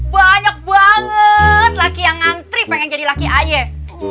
banyak banget laki yang ngantri pengen jadi laki ayef